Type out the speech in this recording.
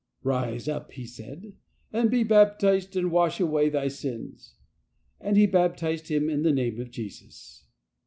" Rise up," he said, " and be baptized, and wash away thy sins." And he baptized him in the Name of Jesus.